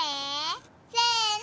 せの！